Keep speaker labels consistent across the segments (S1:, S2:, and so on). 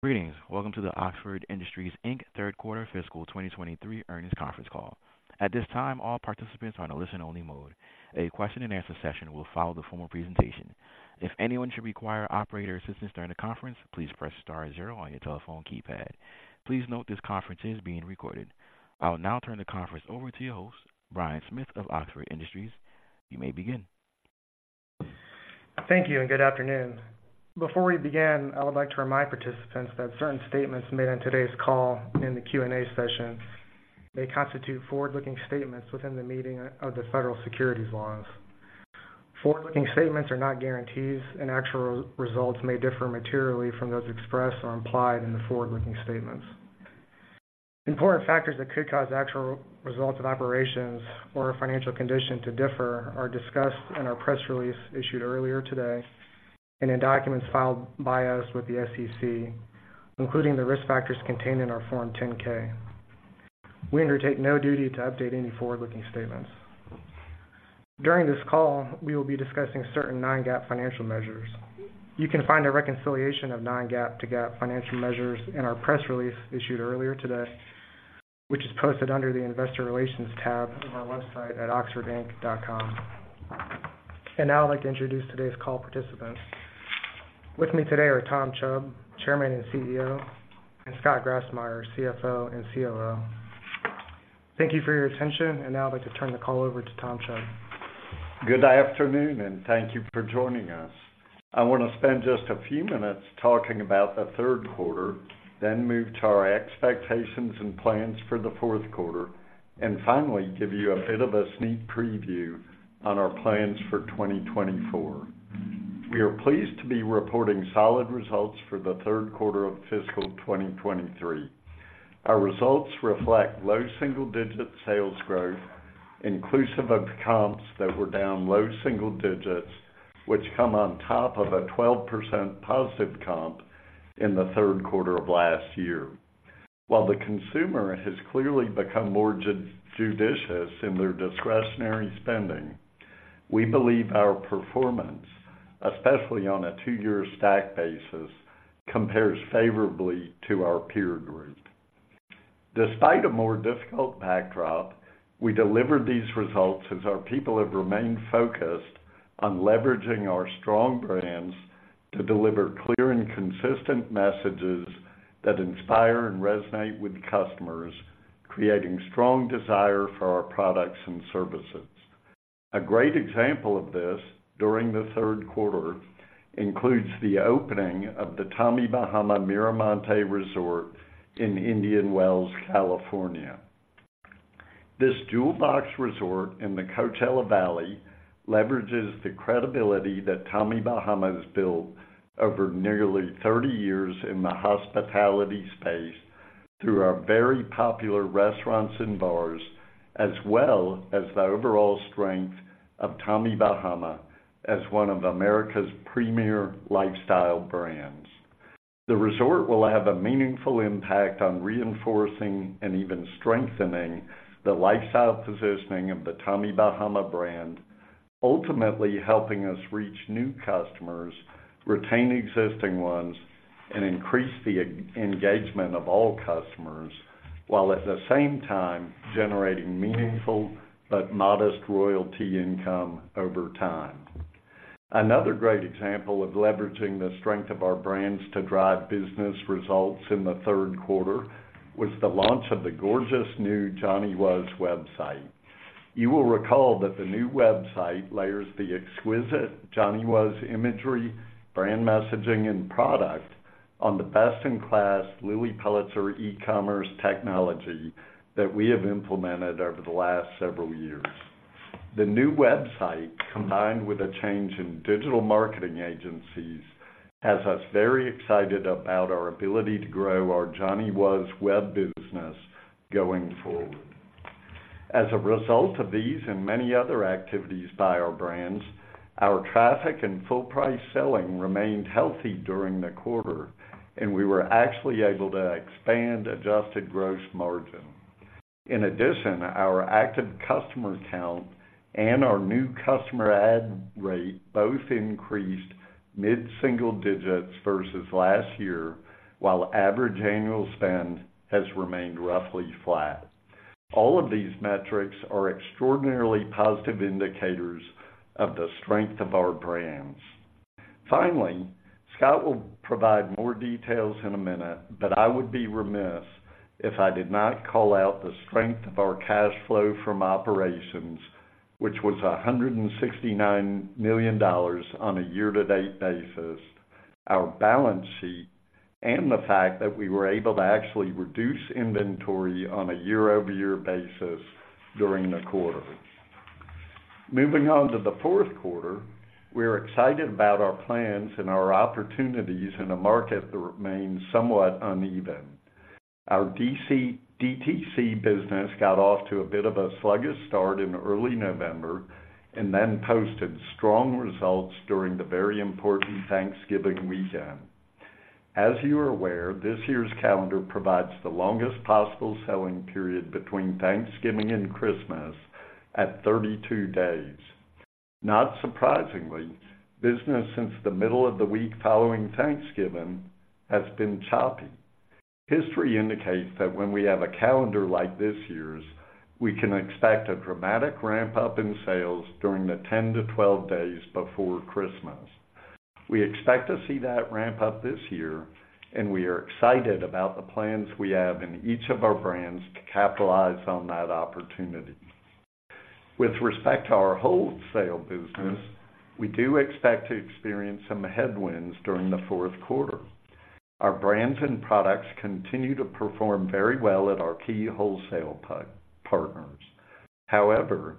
S1: Greetings. Welcome to the Oxford Industries, Inc. third quarter fiscal 2023 earnings conference call. At this time, all participants are on a listen-only mode. A question-and-answer session will follow the formal presentation. If anyone should require operator assistance during the conference, please press star zero on your telephone keypad. Please note this conference is being recorded. I'll now turn the conference over to your host, Brian Smith of Oxford Industries. You may begin.
S2: Thank you, and good afternoon. Before we begin, I would like to remind participants that certain statements made on today's call in the Q&A session may constitute forward-looking statements within the meaning of the federal securities laws. Forward-looking statements are not guarantees, and actual results may differ materially from those expressed or implied in the forward-looking statements. Important factors that could cause actual results of operations or financial condition to differ are discussed in our press release issued earlier today and in documents filed by us with the SEC, including the risk factors contained in our Form 10-K. We undertake no duty to update any forward-looking statements. During this call, we will be discussing certain non-GAAP financial measures. You can find a reconciliation of non-GAAP to GAAP financial measures in our press release issued earlier today, which is posted under the Investor Relations tab of our website at oxfordinc.com. Now I'd like to introduce today's call participants. With me today are Tom Chubb, Chairman and CEO, and Scott Grassmyer, CFO and COO. Thank you for your attention, and now I'd like to turn the call over to Tom Chubb.
S3: Good afternoon, and thank you for joining us. I want to spend just a few minutes talking about the third quarter, then move to our expectations and plans for the fourth quarter, and finally, give you a bit of a sneak preview on our plans for 2024. We are pleased to be reporting solid results for the third quarter of fiscal 2023. Our results reflect low single-digit sales growth, inclusive of comps that were down low single digits, which come on top of a 12% positive comp in the third quarter of last year. While the consumer has clearly become more judicious in their discretionary spending, we believe our performance, especially on a two-year stack basis, compares favorably to our peer group. Despite a more difficult backdrop, we delivered these results as our people have remained focused on leveraging our strong brands to deliver clear and consistent messages that inspire and resonate with customers, creating strong desire for our products and services. A great example of this during the third quarter includes the opening of the Tommy Bahama Miramonte Resort in Indian Wells, California. This jewel box resort in the Coachella Valley leverages the credibility that Tommy Bahama has built over nearly 30 years in the hospitality space through our very popular restaurants and bars, as well as the overall strength of Tommy Bahama as one of America's premier lifestyle brands. The resort will have a meaningful impact on reinforcing and even strengthening the lifestyle positioning of the Tommy Bahama brand, ultimately helping us reach new customers, retain existing ones, and increase the engagement of all customers, while at the same time generating meaningful but modest royalty income over time. Another great example of leveraging the strength of our brands to drive business results in the third quarter was the launch of the gorgeous new Johnny Was website. You will recall that the new website layers the exquisite Johnny Was imagery, brand messaging, and product on the best-in-class Lilly Pulitzer e-commerce technology that we have implemented over the last several years. The new website, combined with a change in digital marketing agencies, has us very excited about our ability to grow our Johnny Was web business going forward. As a result of these and many other activities by our brands, our traffic and full price selling remained healthy during the quarter, and we were actually able to expand Adjusted Gross Margin. In addition, our active customer count and our new customer add rate both increased mid-single digits versus last year, while average annual spend has remained roughly flat. All of these metrics are extraordinarily positive indicators of the strength of our brands. Finally, Scott will provide more details in a minute, but I would be remiss if I did not call out the strength of our cash flow from operations, which was $169 million on a year-to-date basis, our balance sheet, and the fact that we were able to actually reduce inventory on a year-over-year basis during the quarter. Moving on to the fourth quarter, we are excited about our plans and our opportunities in a market that remains somewhat uneven. Our DTC business got off to a bit of a sluggish start in early November and then posted strong results during the very important Thanksgiving weekend. As you are aware, this year's calendar provides the longest possible selling period between Thanksgiving and Christmas at 32 days. Not surprisingly, business since the middle of the week, following Thanksgiving, has been choppy. History indicates that when we have a calendar like this year's, we can expect a dramatic ramp-up in sales during the 10-12 days before Christmas. We expect to see that ramp up this year, and we are excited about the plans we have in each of our brands to capitalize on that opportunity. With respect to our wholesale business, we do expect to experience some headwinds during the fourth quarter. Our brands and products continue to perform very well at our key wholesale partners. However,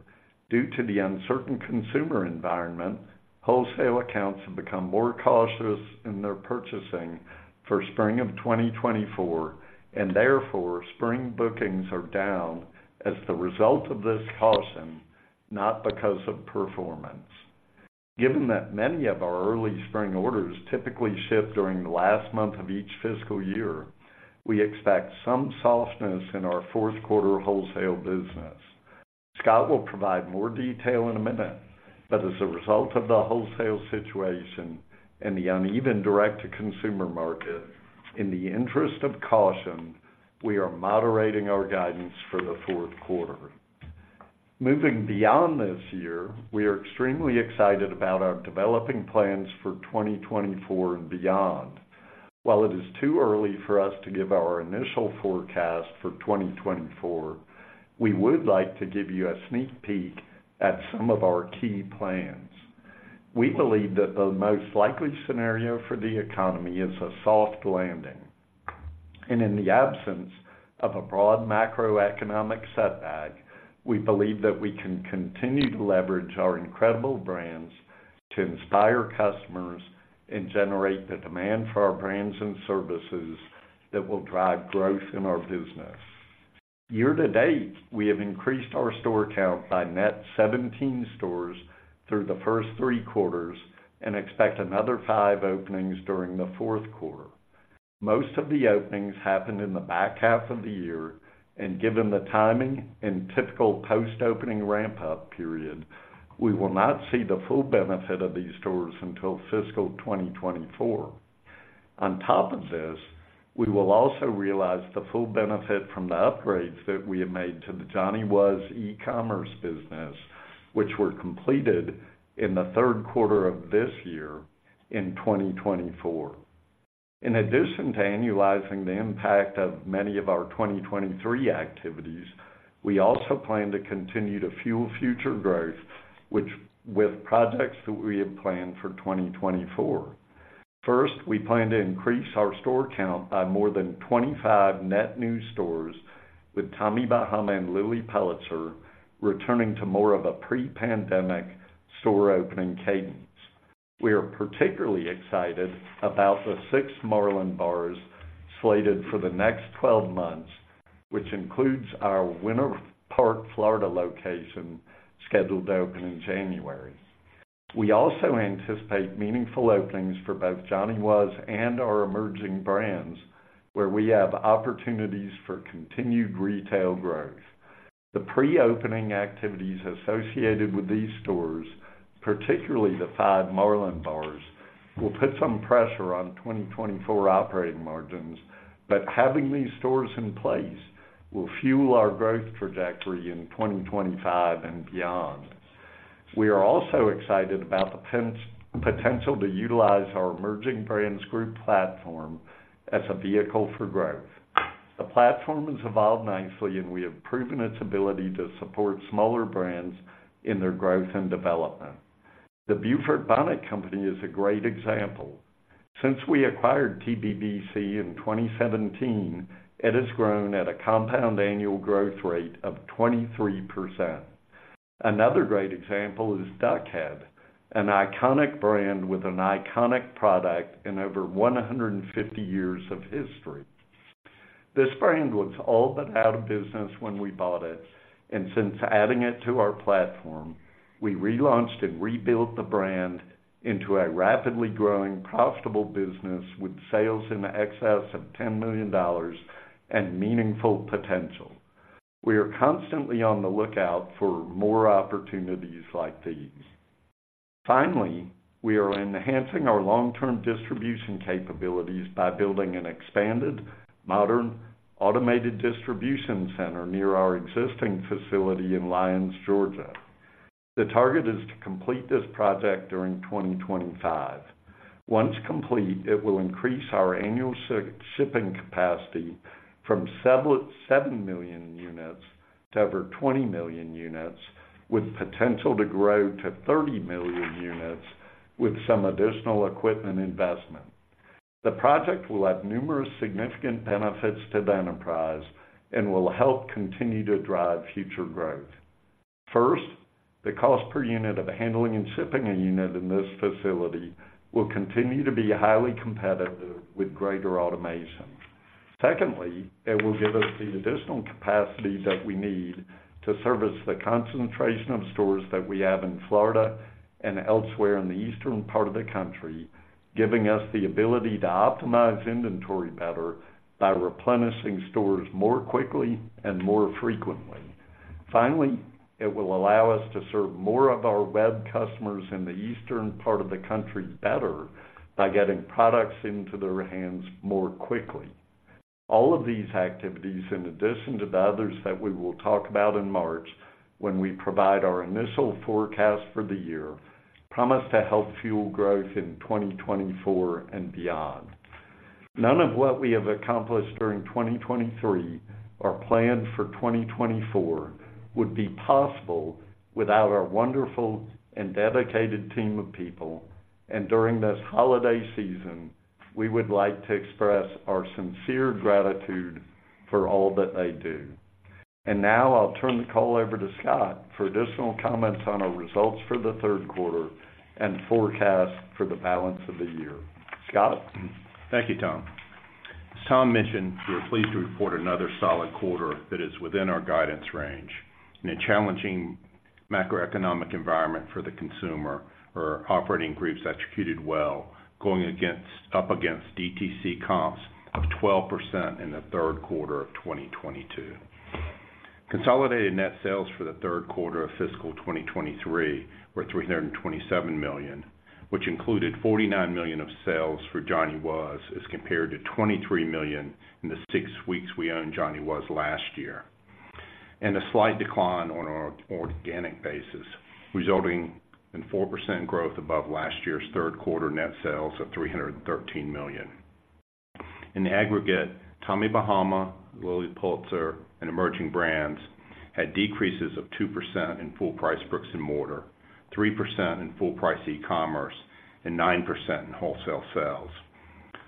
S3: due to the uncertain consumer environment, wholesale accounts have become more cautious in their purchasing for spring of 2024, and therefore, spring bookings are down as the result of this caution, not because of performance. Given that many of our early spring orders typically ship during the last month of each fiscal year, we expect some softness in our fourth quarter wholesale business. Scott will provide more detail in a minute, but as a result of the wholesale situation and the uneven direct-to-consumer market, in the interest of caution, we are moderating our guidance for the fourth quarter. Moving beyond this year, we are extremely excited about our developing plans for 2024 and beyond. While it is too early for us to give our initial forecast for 2024, we would like to give you a sneak peek at some of our key plans. We believe that the most likely scenario for the economy is a soft landing, and in the absence of a broad macroeconomic setback, we believe that we can continue to leverage our incredible brands to inspire customers and generate the demand for our brands and services that will drive growth in our business. Year to date, we have increased our store count by net 17 stores through the first three quarters and expect another 5 openings during the fourth quarter. Most of the openings happened in the back half of the year, and given the timing and typical post-opening ramp-up period, we will not see the full benefit of these stores until fiscal 2024. On top of this, we will also realize the full benefit from the upgrades that we have made to the Johnny Was E-commerce business, which were completed in the third quarter of this year in 2024. In addition to annualizing the impact of many of our 2023 activities, we also plan to continue to fuel future growth, which with projects that we have planned for 2024. First, we plan to increase our store count by more than 25 net new stores, with Tommy Bahama and Lilly Pulitzer returning to more of a pre-pandemic store opening cadence. We are particularly excited about the six Marlin Bars slated for the next 12 months, which includes our Winter Park, Florida, location, scheduled to open in January. We also anticipate meaningful openings for both Johnny Was and our emerging brands, where we have opportunities for continued retail growth. The pre-opening activities associated with these stores, particularly the 5 Marlin Bars, will put some pressure on 2024 operating margins, but having these stores in place will fuel our growth trajectory in 2025 and beyond. We are also excited about the potential to utilize our Emerging Brands Group platform as a vehicle for growth. The platform has evolved nicely, and we have proven its ability to support smaller brands in their growth and development. The Beaufort Bonnet Company is a great example. Since we acquired TBBC in 2017, it has grown at a compound annual growth rate of 23%. Another great example is Duck Head, an iconic brand with an iconic product and over 150 years of history. This brand was all but out of business when we bought it, and since adding it to our platform, we relaunched and rebuilt the brand into a rapidly growing, profitable business with sales in excess of $10 million and meaningful potential. We are constantly on the lookout for more opportunities like these. Finally, we are enhancing our long-term distribution capabilities by building an expanded, modern, automated distribution center near our existing facility in Lyons, Georgia. The target is to complete this project during 2025. Once complete, it will increase our annual shipping capacity from 7 million units to over 20 million units, with potential to grow to 30 million units with some additional equipment investment. The project will have numerous significant benefits to the enterprise and will help continue to drive future growth. First, the cost per unit of handling and shipping a unit in this facility will continue to be highly competitive with greater automation. Secondly, it will give us the additional capacity that we need to service the concentration of stores that we have in Florida and elsewhere in the eastern part of the country, giving us the ability to optimize inventory better by replenishing stores more quickly and more frequently. Finally, it will allow us to serve more of our web customers in the eastern part of the country better by getting products into their hands more quickly. All of these activities, in addition to the others that we will talk about in March, when we provide our initial forecast for the year, promise to help fuel growth in 2024 and beyond. None of what we have accomplished during 2023 or planned for 2024 would be possible without our wonderful and dedicated team of people. During this holiday season, we would like to express our sincere gratitude for all that they do. Now I'll turn the call over to Scott for additional comments on our results for the third quarter and forecast for the balance of the year. Scott?
S4: Thank you, Tom. As Tom mentioned, we are pleased to report another solid quarter that is within our guidance range. In a challenging macroeconomic environment for the consumer, our operating groups executed well, going up against DTC comps of 12% in the third quarter of 2022. Consolidated net sales for the third quarter of fiscal 2023 were $327 million, which included $49 million of sales for Johnny Was, as compared to $23 million in the six weeks we owned Johnny Was last year, and a slight decline on an organic basis, resulting in 4% growth above last year's third quarter net sales of $313 million. In the aggregate, Tommy Bahama, Lilly Pulitzer, and Emerging Brands had decreases of 2% in full price bricks and mortar, 3% in full price e-commerce, and 9% in wholesale sales.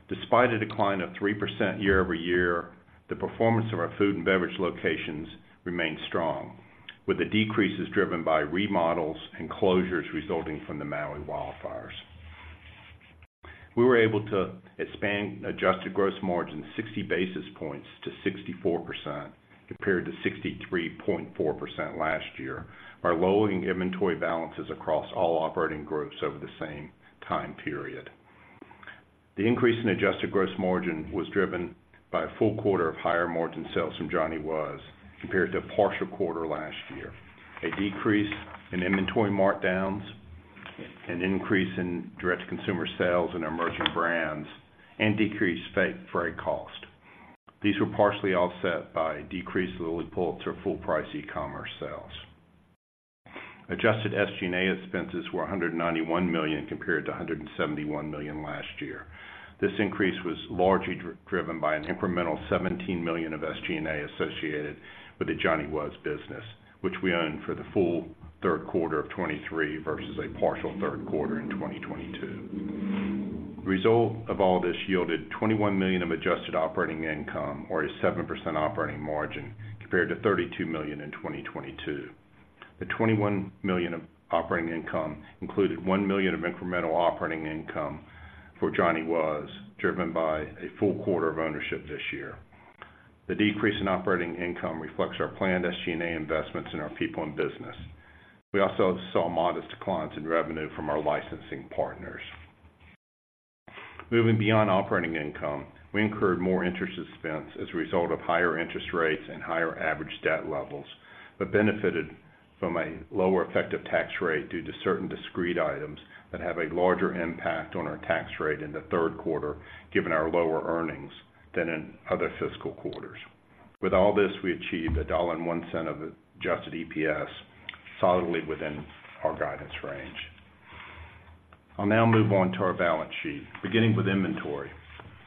S4: Despite a decline of 3% year-over-year, the performance of our food and beverage locations remained strong, with the decreases driven by remodels and closures resulting from the Maui wildfires. We were able to expand adjusted gross margin 60 basis points to 64%, compared to 63.4% last year, by lowering inventory balances across all operating groups over the same time period. The increase in adjusted gross margin was driven by a full quarter of higher margin sales from Johnny Was, compared to a partial quarter last year, a decrease in inventory markdowns, an increase in direct-to-consumer sales in our emerging brands, and decreased freight cost. These were partially offset by decreased Lilly Pulitzer full-price e-commerce sales. Adjusted SG&A expenses were $191 million, compared to $171 million last year. This increase was largely driven by an incremental $17 million of SG&A associated with the Johnny Was business, which we owned for the full third quarter of 2023 versus a partial third quarter in 2022. The result of all this yielded $21 million of adjusted operating income or a 7% operating margin, compared to $32 million in 2022. The $21 million of operating income included $1 million of incremental operating income for Johnny Was, driven by a full quarter of ownership this year. The decrease in operating income reflects our planned SG&A investments in our people and business. We also saw modest declines in revenue from our licensing partners. Moving beyond operating income, we incurred more interest expense as a result of higher interest rates and higher average debt levels, but benefited from a lower effective tax rate due to certain discrete items that have a larger impact on our tax rate in the third quarter, given our lower earnings than in other fiscal quarters. With all this, we achieved $1.01 of adjusted EPS, solidly within our guidance range. I'll now move on to our balance sheet. Beginning with inventory.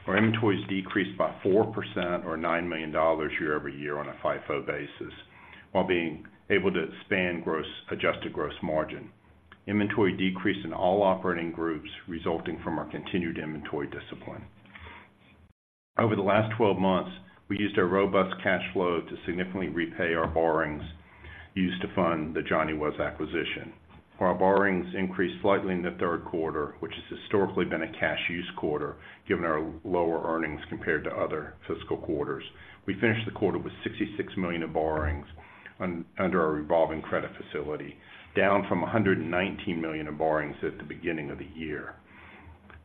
S4: Our inventories decreased by 4% or $9 million year-over-year on a FIFO basis, while being able to expand gross adjusted gross margin. Inventory decreased in all operating groups, resulting from our continued inventory discipline. Over the last 12 months, we used our robust cash flow to significantly repay our borrowings, used to fund the Johnny Was acquisition. While borrowings increased slightly in the third quarter, which has historically been a cash use quarter, given our lower earnings compared to other fiscal quarters, we finished the quarter with $66 million of borrowings under our revolving credit facility, down from $119 million of borrowings at the beginning of the year.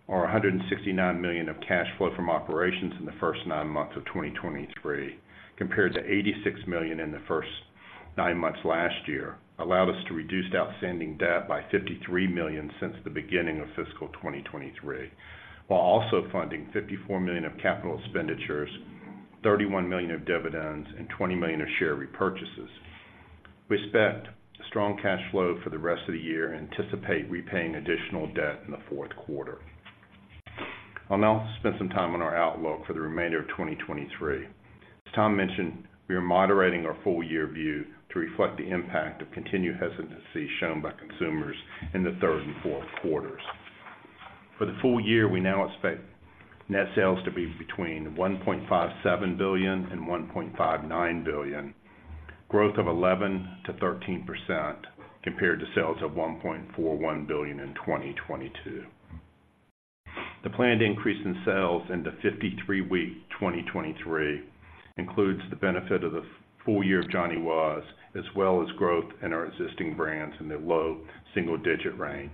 S4: Our $169 million of cash flow from operations in the first nine months of 2023, compared to $86 million in the first nine months last year, allowed us to reduce outstanding debt by $53 million since the beginning of fiscal 2023, while also funding $54 million of capital expenditures, $31 million of dividends, and $20 million of share repurchases. We expect strong cash flow for the rest of the year and anticipate repaying additional debt in the fourth quarter. I'll now spend some time on our outlook for the remainder of 2023. As Tom mentioned, we are moderating our full year view to reflect the impact of continued hesitancy shown by consumers in the third and fourth quarters. For the full year, we now expect net sales to be between $1.57 billion and $1.59 billion, growth of 11%-13% compared to sales of $1.41 billion in 2022. The planned increase in sales in the 53-week 2023 includes the benefit of the full year of Johnny Was, as well as growth in our existing brands in the low single-digit range,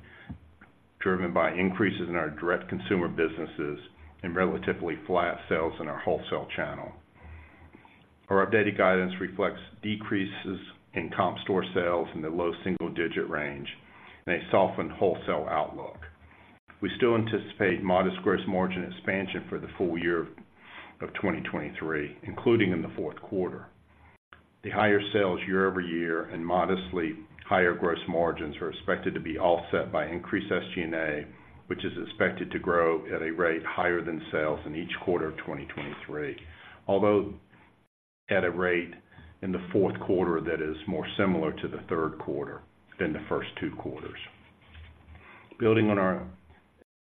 S4: driven by increases in our direct consumer businesses and relatively flat sales in our wholesale channel. Our updated guidance reflects decreases in comp store sales in the low single-digit range and a softened wholesale outlook. We still anticipate modest gross margin expansion for the full year of 2023, including in the fourth quarter. The higher sales year-over-year and modestly higher gross margins are expected to be offset by increased SG&A, which is expected to grow at a rate higher than sales in each quarter of 2023. Although at a rate in the fourth quarter, that is more similar to the third quarter than the first two quarters. Building on our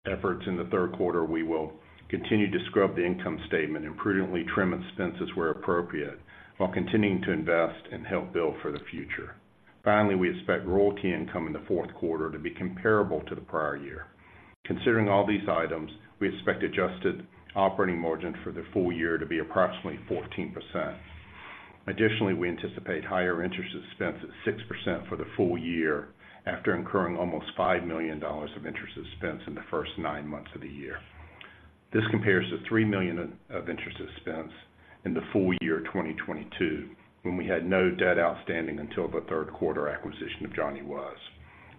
S4: efforts in the third quarter, we will continue to scrub the income statement and prudently trim expenses where appropriate, while continuing to invest and help build for the future. Finally, we expect royalty income in the fourth quarter to be comparable to the prior year. Considering all these items, we expect adjusted operating margin for the full year to be approximately 14%. Additionally, we anticipate higher interest expense at 6% for the full year, after incurring almost $5 million of interest expense in the first nine months of the year. This compares to $3 million of interest expense in the full year 2022, when we had no debt outstanding until the third quarter acquisition of Johnny Was.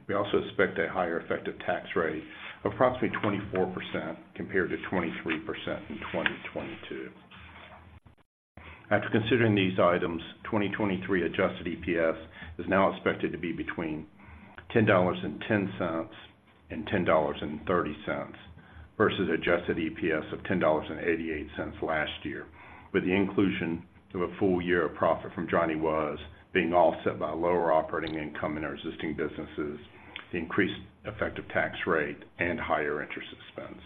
S4: We also expect a higher effective tax rate of approximately 24%, compared to 23% in 2022. After considering these items, 2023 adjusted EPS is now expected to be between $10.10 and $10.30, versus adjusted EPS of $10.88 last year, with the inclusion of a full year of profit from Johnny Was, being offset by lower operating income in our existing businesses, the increased effective tax rate, and higher interest expense.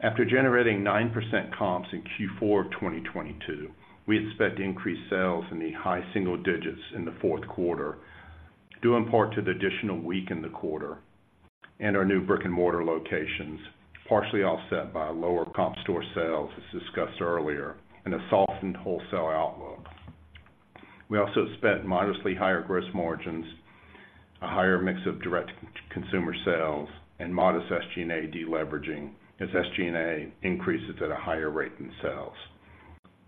S4: After generating 9% comps in Q4 of 2022, we expect increased sales in the high single digits in the fourth quarter, due in part to the additional week in the quarter and our new brick-and-mortar locations, partially offset by lower comp store sales, as discussed earlier, and a softened wholesale outlook. We also expect modestly higher gross margins, a higher mix of direct consumer sales, and modest SG&A deleveraging, as SG&A increases at a higher rate than sales.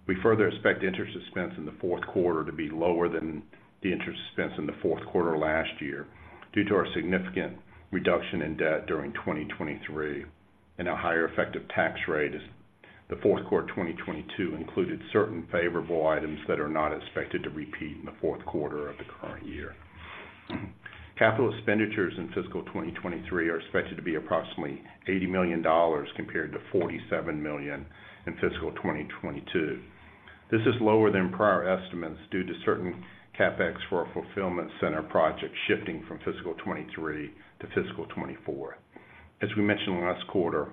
S4: We further expect interest expense in the fourth quarter to be lower than the interest expense in the fourth quarter last year, due to our significant reduction in debt during 2023 and a higher effective tax rate, as the fourth quarter 2022 included certain favorable items that are not expected to repeat in the fourth quarter of the current year. Capital expenditures in fiscal 2023 are expected to be approximately $80 million, compared to $47 million in fiscal 2022. This is lower than prior estimates due to certain CapEx for our fulfillment center project shifting from fiscal 2023 to fiscal 2024. As we mentioned last quarter,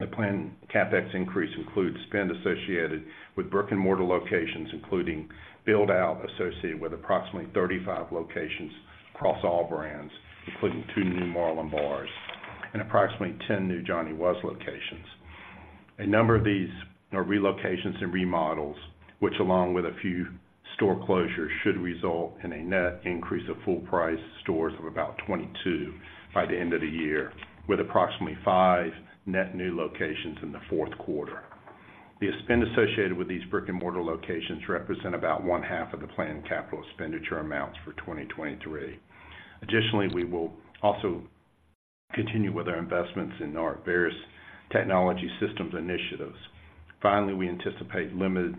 S4: the planned CapEx increase includes spend associated with brick-and-mortar locations, including build-out associated with approximately 35 locations across all brands, including 2 new Marlin Bars and approximately 10 new Johnny Was locations. A number of these are relocations and remodels, which, along with a few store closures, should result in a net increase of full-price stores of about 22 by the end of the year, with approximately 5 net new locations in the fourth quarter. The spend associated with these brick-and-mortar locations represent about one half of the planned capital expenditure amounts for 2023. Additionally, we will also continue with our investments in our various technology systems initiatives. Finally, we anticipate limited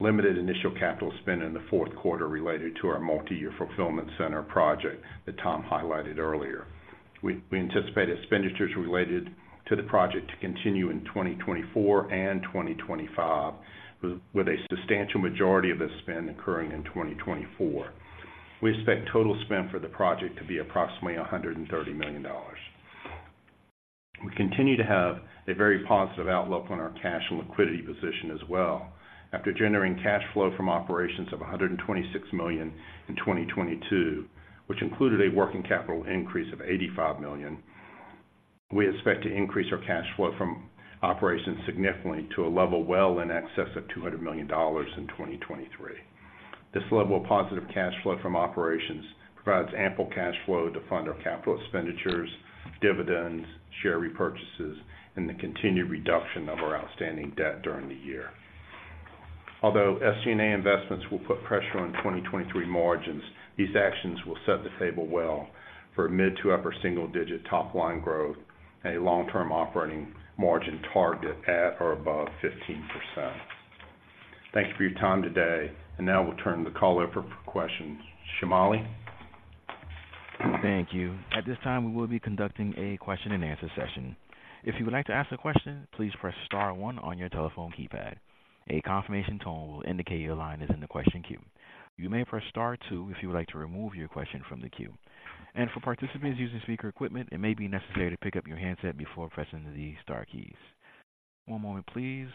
S4: initial capital spend in the fourth quarter related to our multi-year fulfillment center project that Tom highlighted earlier. We anticipate expenditures related to the project to continue in 2024 and 2025, with a substantial majority of the spend occurring in 2024. We expect total spend for the project to be approximately $130 million. We continue to have a very positive outlook on our cash and liquidity position as well. After generating cash flow from operations of $126 million in 2022, which included a working capital increase of $85 million, we expect to increase our cash flow from operations significantly to a level well in excess of $200 million in 2023. This level of positive cash flow from operations provides ample cash flow to fund our capital expenditures, dividends, share repurchases, and the continued reduction of our outstanding debt during the year. Although SG&A investments will put pressure on 2023 margins, these actions will set the table well for a mid- to upper-single-digit top line growth and a long-term operating margin target at or above 15%. Thank you for your time today, and now we'll turn the call over for questions. Shamali?
S1: Thank you. At this time, we will be conducting a question-and-answer session. If you would like to ask a question, please press star one on your telephone keypad. A confirmation tone will indicate your line is in the question queue. You may press star two if you would like to remove your question from the queue. For participants using speaker equipment, it may be necessary to pick up your handset before pressing the star keys. One moment, please.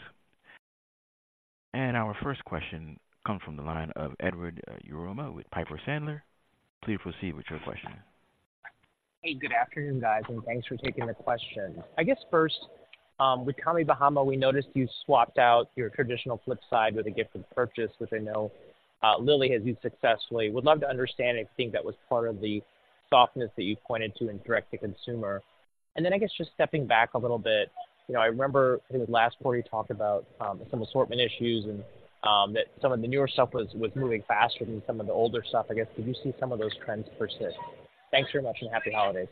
S1: Our first question comes from the line of Edward Yruma with Piper Sandler. Please proceed with your question.
S5: Hey, good afternoon, guys, and thanks for taking the question. I guess, with Tommy Bahama, we noticed you swapped out your traditional Flip Side with a gift and purchase, which I know, Lilly has used successfully. Would love to understand if you think that was part of the softness that you pointed to in direct to consumer. And then I guess just stepping back a little bit, you know, I remember in the last quarter, you talked about, some assortment issues and, that some of the newer stuff was, moving faster than some of the older stuff. I guess, did you see some of those trends persist? Thanks very much, and happy holidays.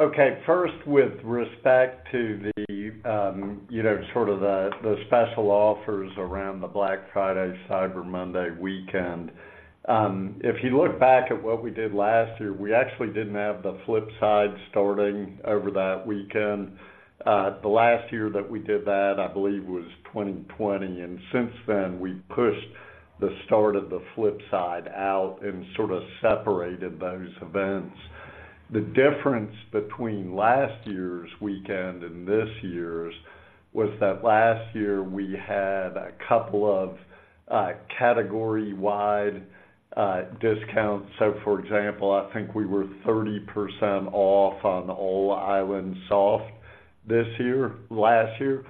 S3: Okay. First, with respect to the, you know, sort of the special offers around the Black Friday, Cyber Monday weekend. If you look back at what we did last year, we actually didn't have the Flip Side starting over that weekend. The last year that we did that, I believe, was 2020, and since then, we pushed the start of the Flip Side out and sort of separated those events. The difference between last year's weekend and this year's was that last year we had a couple of category-wide discounts. So for example, I think we were 30% off on all Island Soft this year, last year.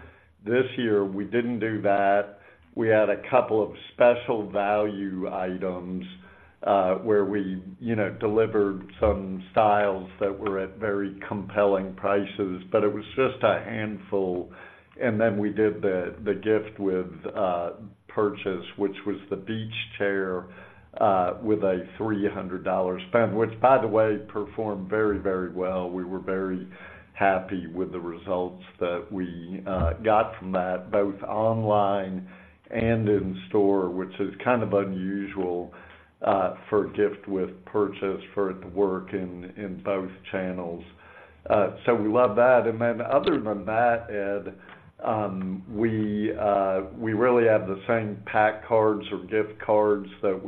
S3: This year, we didn't do that. We had a couple of special value items where we, you know, delivered some styles that were at very compelling prices, but it was just a handful. And then we did the gift with purchase, which was the beach chair with a $300 spend, which by the way, performed very, very well. We were very happy with the results that we got from that, both online and in store, which is kind of unusual for gift with purchase, for it to work in both channels. So we love that. And then other than that, Ed, we really have the same pack cards or gift cards that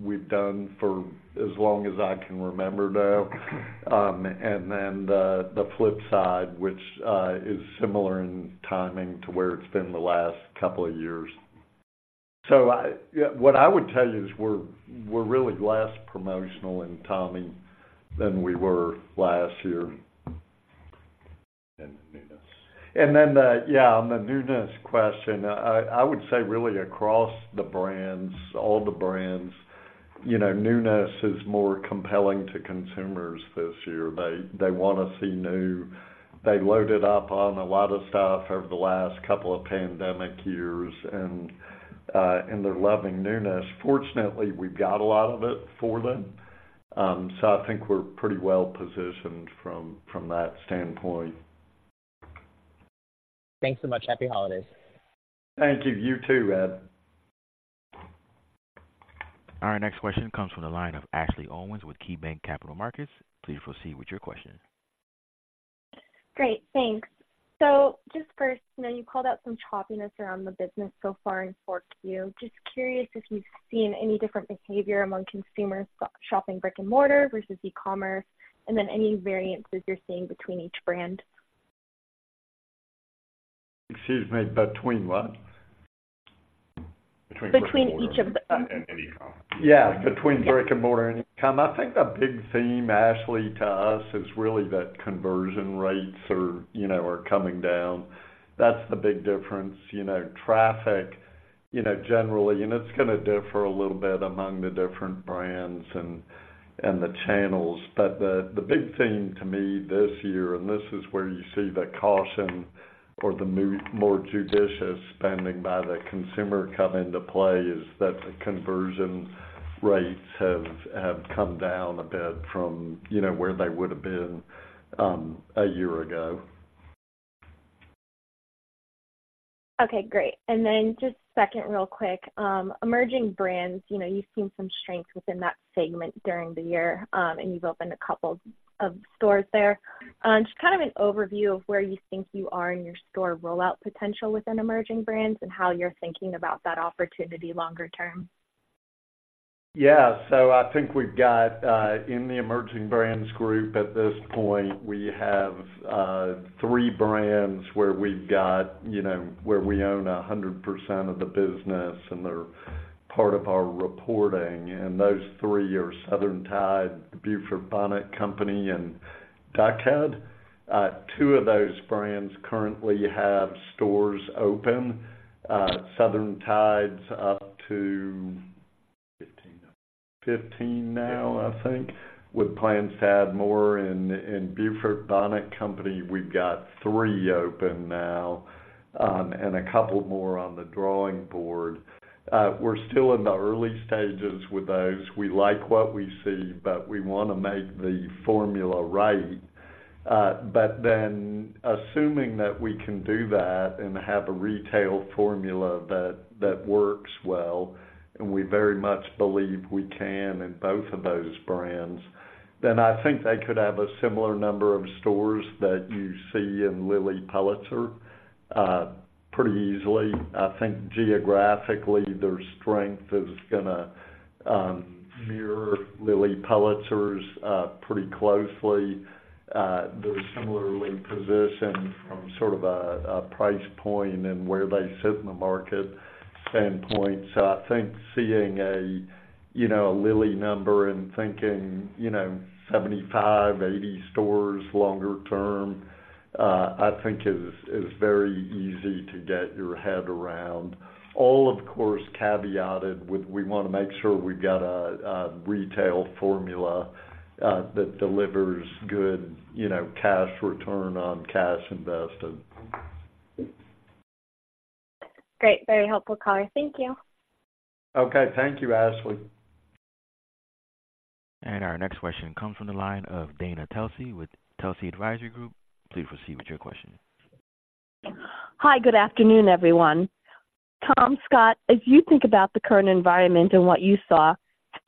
S3: we've done for as long as I can remember, though. And then the Flip Side, which is similar in timing to where it's been the last couple of years. So what I would tell you is we're really less promotional in Tommy than we were last year.
S4: The newness.
S3: And then yeah, on the newness question, I would say really across the brands, all the brands, you know, newness is more compelling to consumers this year. They wanna see new. They loaded up on a lot of stuff over the last couple of pandemic years, and they're loving newness. Fortunately, we've got a lot of it for them, so I think we're pretty well positioned from that standpoint.
S5: Thanks so much. Happy holidays.
S3: Thank you. You too, Ed.
S1: Our next question comes from the line of Ashley Owens with KeyBanc Capital Markets. Please proceed with your question.
S6: Great, thanks. So just first, you know, you called out some choppiness around the business so far in fourth Q. Just curious if you've seen any different behavior among consumers shopping brick-and-mortar versus e-commerce, and then any variances you're seeing between each brand?
S3: Excuse me, between what?
S7: Between brick-and-mortar-
S6: Between each of the-
S7: e-com.
S3: Yes, between brick-and-mortar and e-com. I think the big theme, Ashley, to us, is really that conversion rates are, you know, are coming down. That's the big difference. You know, traffic, you know, generally, and it's gonna differ a little bit among the different brands and, and the channels. But the, the big theme to me this year, and this is where you see the caution or the more judicious spending by the consumer come into play, is that the conversion rates have, have come down a bit from, you know, where they would've been a year ago.
S6: Okay, great. And then just second, real quick, emerging brands, you know, you've seen some strength within that segment during the year, and you've opened a couple of stores there. Just kind of an overview of where you think you are in your store rollout potential within emerging brands and how you're thinking about that opportunity longer term.
S3: Yeah. So I think we've got in the emerging brands group at this point, we have three brands where we've got, you know, where we own 100% of the business, and they're part of our reporting, and those three are Southern Tide, The Beaufort Bonnet Company, and Duck Head. Two of those brands currently have stores open, Southern Tide's up to-
S7: 15.
S3: 15 now, I think, with plans to add more. And Beaufort Bonnet Company, we've got 3 open now, and a couple more on the drawing board. We're still in the early stages with those. We like what we see, but we wanna make the formula right. But then, assuming that we can do that and have a retail formula that works well, and we very much believe we can in both of those brands, then I think they could have a similar number of stores that you see in Lilly Pulitzer, pretty easily. I think geographically, their strength is gonna mirror Lilly Pulitzer's, pretty closely. They're similarly positioned from sort of a price point and where they sit in the market standpoint. So I think seeing a, you know, a Lilly number and thinking, you know, 75, 80 stores longer term, I think is very easy to get your head around. All, of course, caveated with we want to make sure we've got a retail formula that delivers good, you know, cash return on cash invested.
S6: Great, very helpful, caller. Thank you.
S3: Okay. Thank you, Ashley.
S1: Our next question comes from the line of Dana Telsey with Telsey Advisory Group. Please proceed with your question.
S8: Hi, good afternoon, everyone. Tom, Scott, as you think about the current environment and what you saw,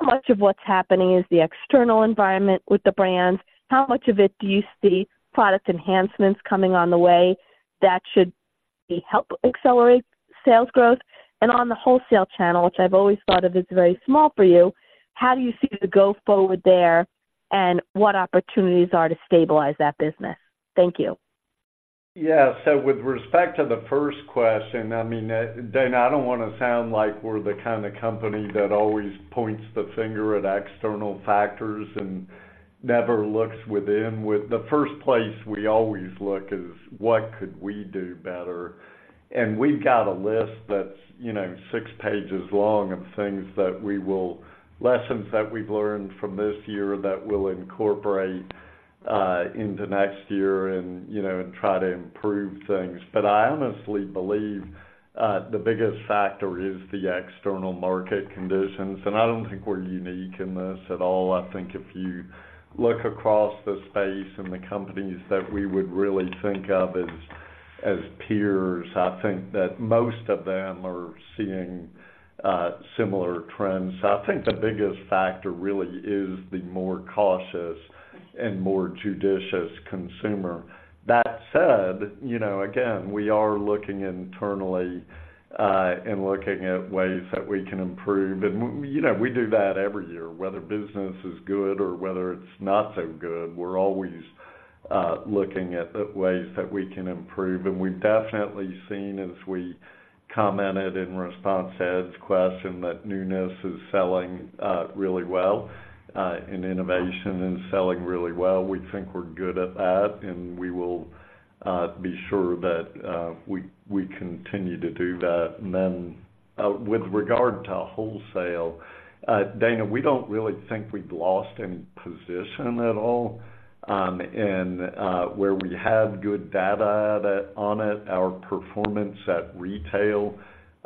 S8: how much of what's happening is the external environment with the brands? How much of it do you see product enhancements coming on the way that should help accelerate sales growth? And on the wholesale channel, which I've always thought of as very small for you, how do you see the go-forward there, and what opportunities are to stabilize that business? Thank you.
S3: Yeah. So with respect to the first question, I mean, Dana, I don't want to sound like we're the kind of company that always points the finger at external factors and never looks within. The first place we always look is: What could we do better? And we've got a list that's, you know, six pages long of things, lessons that we've learned from this year that we'll incorporate into next year and, you know, and try to improve things. But I honestly believe the biggest factor is the external market conditions, and I don't think we're unique in this at all. I think if you look across the space and the companies that we would really think of as, as peers, I think that most of them are seeing similar trends. I think the biggest factor really is the more cautious and more judicious consumer. That said, you know, again, we are looking internally and looking at ways that we can improve. And, you know, we do that every year, whether business is good or whether it's not so good, we're always looking at the ways that we can improve. And we've definitely seen, as we commented in response to Ed's question, that newness is selling really well and innovation is selling really well. We think we're good at that, and we will be sure that we continue to do that. And then, with regard to wholesale, Dana, we don't really think we've lost any position at all. And where we have good data on it, our performance at retail,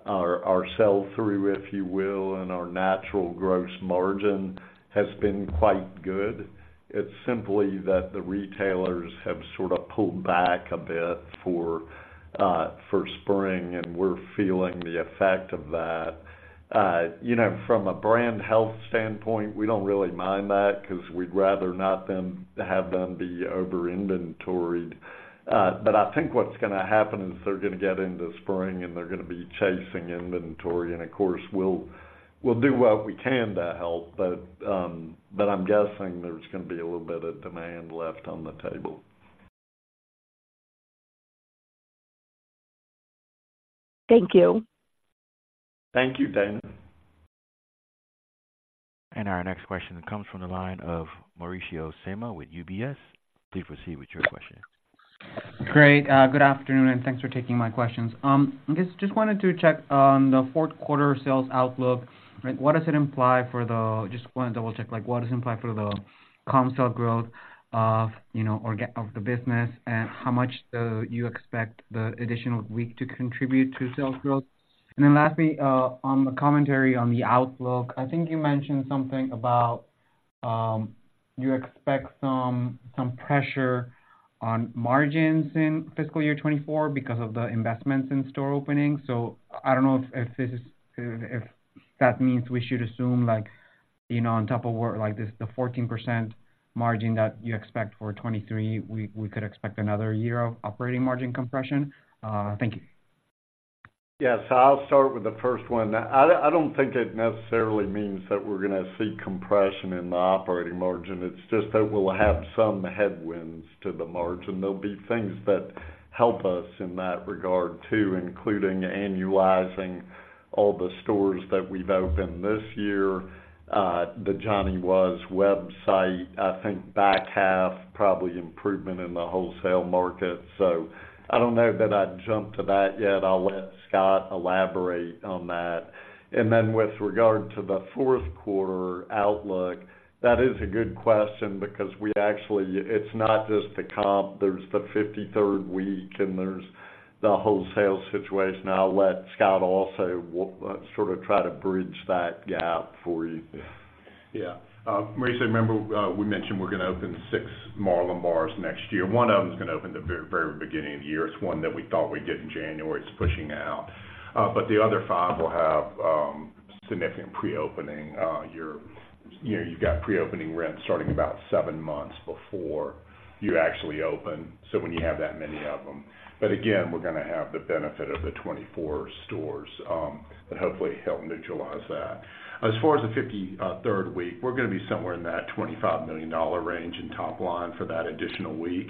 S3: our sell-through, if you will, and our natural gross margin has been quite good. It's simply that the retailers have sort of pulled back a bit for spring, and we're feeling the effect of that. You know, from a brand health standpoint, we don't really mind that because we'd rather not have them be over-inventoried. But I think what's going to happen is they're going to get into spring, and they're going to be chasing inventory. And of course, we'll do what we can to help, but I'm guessing there's going to be a little bit of demand left on the table.
S8: Thank you.
S3: Thank you, Dana.
S1: Our next question comes from the line of Mauricio Serna with UBS. Please proceed with your question.
S9: Great. Good afternoon, and thanks for taking my questions. Just, just wanted to check on the fourth quarter sales outlook. Like, what does it imply for the- Just want to double check, like, what does it imply for the comp store growth of, you know, organic growth of the business, and how much, you expect the additional week to contribute to sales growth? And then lastly, on the commentary on the outlook, I think you mentioned something about, you expect some, some pressure on margins in fiscal year 2024 because of the investments in store openings. So I don't know if, if this is- if that means we should assume, like, you know, on top of where, like, this, the 14% margin that you expect for 2023, we, we could expect another year of operating margin compression. Thank you.
S3: Yes, I'll start with the first one. I don't think it necessarily means that we're going to see compression in the operating margin. It's just that we'll have some headwinds to the margin. There'll be things that help us in that regard, too, including annualizing all the stores that we've opened this year, the Johnny Was website. I think back half, probably improvement in the wholesale market, so I don't know that I'd jump to that yet. I'll let Scott elaborate on that. And then with regard to the fourth quarter outlook, that is a good question because we actually. It's not just the comp, there's the 53rd week, and there's the wholesale situation. I'll let Scott also sort of try to bridge that gap for you.
S4: Yeah. Mauricio, remember, we mentioned we're going to open six Marlin Bars next year. One of them is going to open the very, very beginning of the year. It's one that we thought we'd get in January. It's pushing out. But the other five will have significant pre-opening. Your, you know, you've got pre-opening rents starting about seven months before you actually open, so when you have that many of them. But again, we're going to have the benefit of the 24 stores that hopefully help neutralize that. As far as the 53rd week, we're going to be somewhere in that $25 million range in top line for that additional week.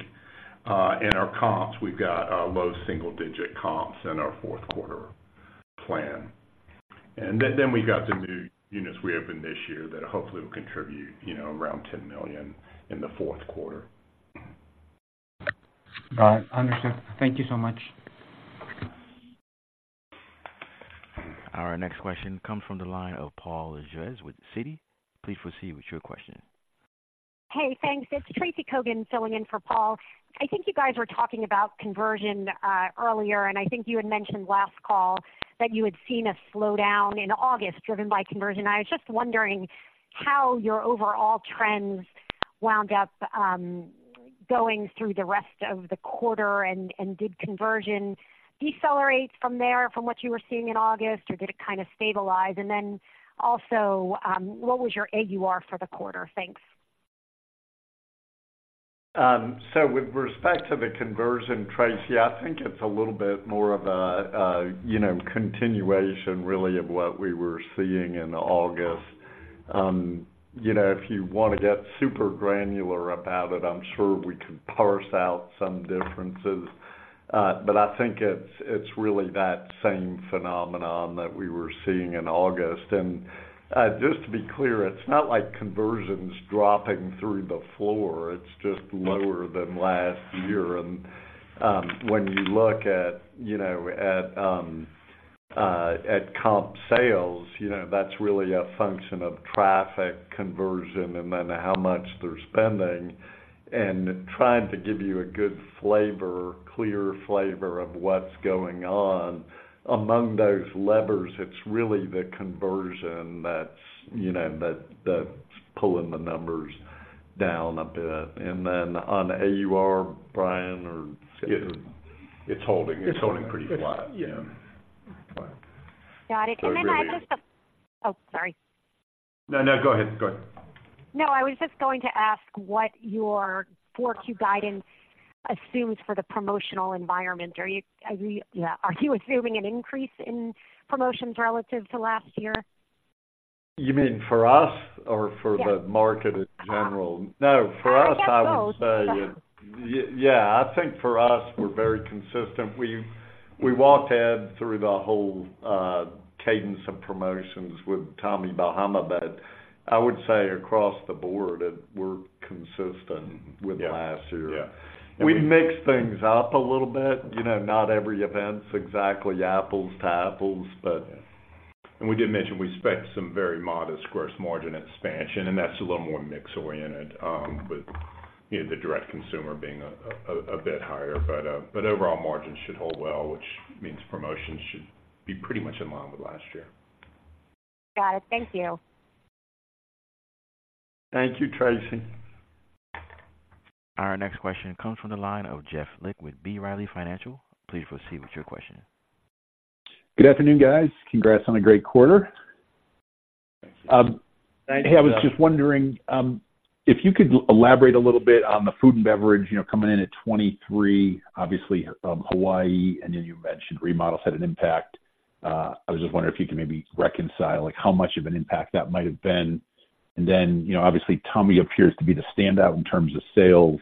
S4: And our comps, we've got low single-digit comps in our fourth quarter plan. Then we've got the new units we opened this year that hopefully will contribute, you know, around $10 million in the fourth quarter.
S9: Got it. Understood. Thank you so much.
S1: Our next question comes from the line of Paul Lejuez with Citi. Please proceed with your question.
S10: Hey, thanks. It's Tracy Kogan filling in for Paul. I think you guys were talking about conversion earlier, and I think you had mentioned last call that you had seen a slowdown in August driven by conversion. I was just wondering how your overall trends wound up going through the rest of the quarter, and did conversion decelerate from there from what you were seeing in August, or did it kind of stabilize? And then also, what was your AUR for the quarter? Thanks.
S3: So with respect to the conversion, Tracy, I think it's a little bit more of a, you know, continuation, really, of what we were seeing in August. You know, if you want to get super granular about it, I'm sure we could parse out some differences. But I think it's, it's really that same phenomenon that we were seeing in August. And just to be clear, it's not like conversion's dropping through the floor. It's just lower than last year. And when you look at, you know, at comp sales, you know, that's really a function of traffic conversion and then how much they're spending. And trying to give you a good flavor, clear flavor of what's going on, among those levers, it's really the conversion that's, you know, that, that's pulling the numbers down a bit. And then on the AUR, Brian, or...?
S4: It's holding. It's holding pretty flat.
S3: Yeah.
S10: Got it. And then, oh, sorry.
S4: No, no, go ahead. Go ahead.
S10: No, I was just going to ask what your Q4 guidance assumes for the promotional environment. Are you, are you, yeah, are you assuming an increase in promotions relative to last year?
S3: You mean for us or-
S10: Yes.
S3: for the market in general?
S10: Uh-
S3: No, for us-
S10: I guess, both
S3: I would say, yeah, I think for us, we're very consistent. We've walked Ed through the whole cadence of promotions with Tommy Bahama, but I would say across the board that we're consistent with last year.
S4: Yeah. Yeah.
S3: We mix things up a little bit. You know, not every event's exactly apples to apples, but-
S4: We did mention we expect some very modest gross margin expansion, and that's a little more mix-oriented, with, you know, the direct consumer being a bit higher. But overall margins should hold well, which means promotions should be pretty much in line with last year.
S10: Got it. Thank you.
S3: Thank you, Tracy.
S1: Our next question comes from the line of Jeff Lick with B. Riley Financial. Please proceed with your question.
S11: Good afternoon, guys. Congrats on a great quarter.
S3: Thank you.
S11: I was just wondering if you could elaborate a little bit on the food and beverage, you know, coming in at 23, obviously from Hawaii, and then you mentioned remodels had an impact. I was just wondering if you could maybe reconcile, like, how much of an impact that might have been. And then, you know, obviously, Tommy appears to be the standout in terms of sales.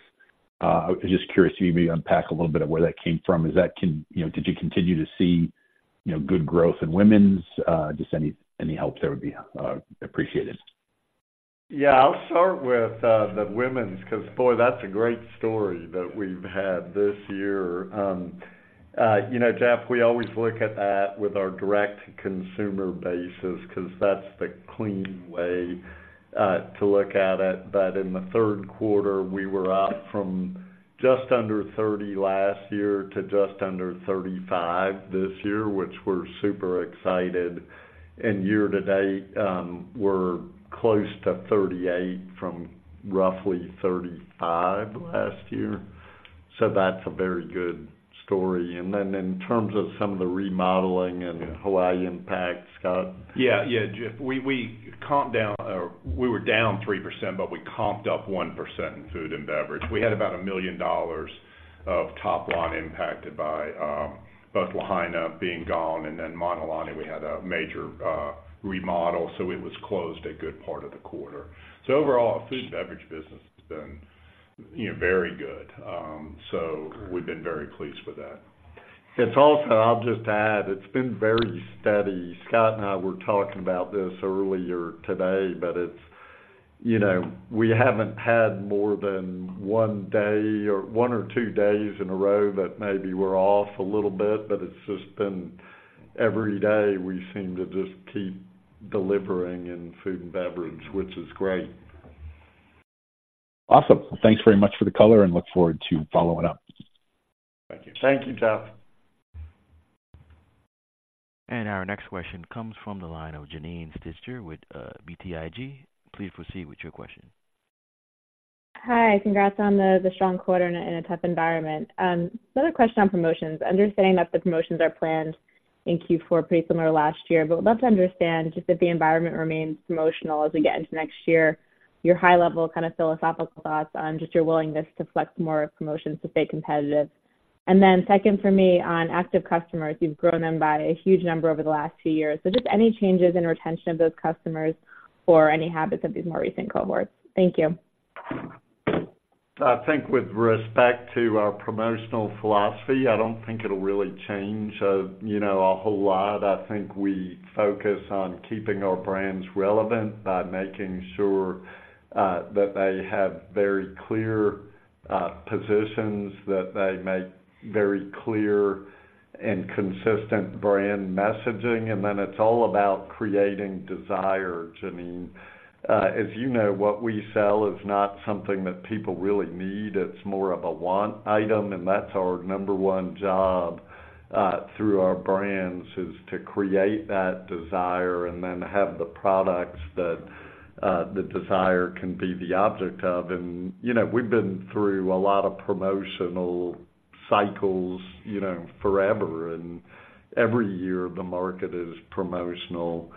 S11: I was just curious if you could maybe unpack a little bit of where that came from. Is that... Can, you know, did you continue to see, you know, good growth in women's? Just any help there would be appreciated.
S3: Yeah, I'll start with, the women's, 'cause, boy, that's a great story that we've had this year. You know, Jeff, we always look at that with our direct consumer bases, 'cause that's the clean way, to look at it. But in the third quarter, we were up from just under 30 last year to just under 35 this year, which we're super excited. And year to date, we're close to 38 from roughly 35 last year. So that's a very good story. And then in terms of some of the remodeling and Hawaii impact, Scott?
S4: Yeah, yeah, Jeff, we comped down. We were down 3%, but we comped up 1% in food and beverage. We had about $1 million of top line impacted by both Lahaina being gone and then Mauna Lani. We had a major remodel, so it was closed a good part of the quarter. So overall, our food and beverage business has been, you know, very good. So we've been very pleased with that.
S3: It's also, I'll just add, it's been very steady. Scott and I were talking about this earlier today, but it's, you know, we haven't had more than one day or one or two days in a row that maybe we're off a little bit, but it's just been every day, we seem to just keep delivering in food and beverage, which is great.
S11: Awesome. Thanks very much for the color, and look forward to following up.
S3: Thank you.
S4: Thank you, Jeff.
S1: Our next question comes from the line of Janine Stichter with BTIG. Please proceed with your question.
S12: Hi, congrats on the strong quarter in a tough environment. Another question on promotions. Understanding that the promotions are planned in Q4 pretty similar to last year, but I'd love to understand just if the environment remains promotional as we get into next year, your high-level kind of philosophical thoughts on just your willingness to flex more of promotions to stay competitive. And then second for me, on active customers, you've grown them by a huge number over the last two years. So just any changes in retention of those customers or any habits of these more recent cohorts? Thank you....
S3: I think with respect to our promotional philosophy, I don't think it'll really change, you know, a whole lot. I think we focus on keeping our brands relevant by making sure that they have very clear positions, that they make very clear and consistent brand messaging. And then it's all about creating desire, Janine. As you know, what we sell is not something that people really need, it's more of a want item, and that's our number one job through our brands, is to create that desire and then have the products that the desire can be the object of. And, you know, we've been through a lot of promotional cycles, you know, forever, and every year the market is promotional.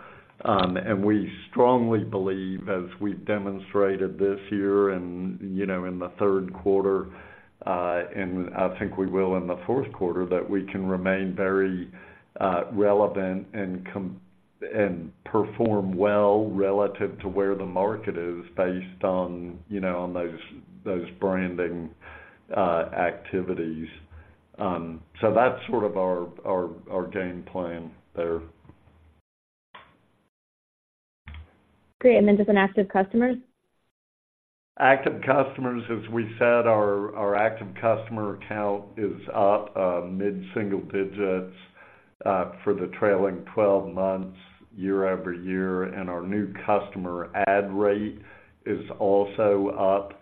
S3: We strongly believe, as we've demonstrated this year and, you know, in the third quarter, and I think we will in the fourth quarter, that we can remain very relevant and perform well relative to where the market is based on, you know, on those branding activities. So that's sort of our game plan there.
S12: Great, and then just on active customers?
S3: Active customers, as we said, our active customer count is up mid-single digits for the trailing twelve months, year-over-year, and our new customer add rate is also up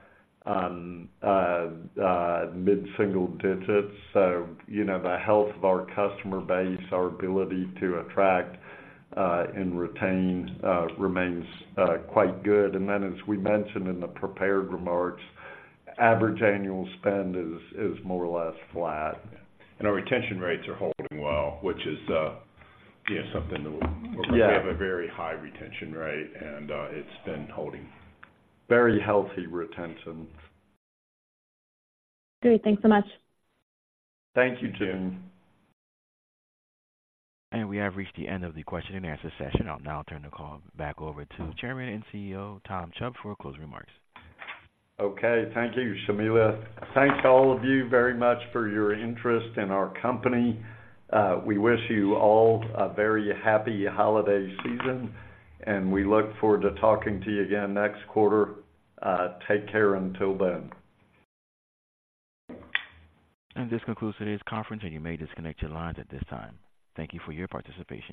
S3: mid-single digits. So, you know, the health of our customer base, our ability to attract and retain remains quite good. And then, as we mentioned in the prepared remarks, average annual spend is more or less flat.
S7: Our retention rates are holding well, which is, you know, something that we're-
S3: Yeah.
S7: We have a very high retention rate, and it's been holding.
S3: Very healthy retention.
S12: Great. Thanks so much.
S3: Thank you, Janine.
S1: We have reached the end of the question and answer session. I'll now turn the call back over to Chairman and CEO, Tom Chubb, for closing remarks.
S3: Okay, thank you, Shamila. Thanks to all of you very much for your interest in our company. We wish you all a very happy holiday season, and we look forward to talking to you again next quarter. Take care until then.
S1: This concludes today's conference, and you may disconnect your lines at this time. Thank you for your participation.